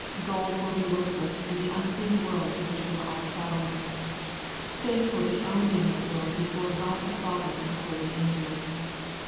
Gold will be worthless in the unseen world to which we are all travelling. Faith will be owned in that world before God the Father and the holy angels.